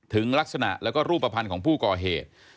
ถึงลักษณะแล้วก็รูปภัณฑ์ของผู้ก่อเหตุ